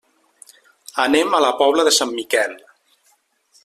Anem a la Pobla de Sant Miquel.